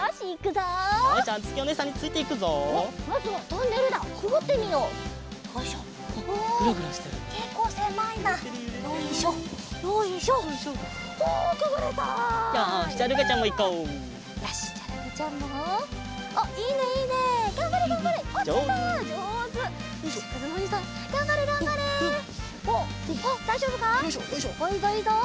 いいぞいいぞ！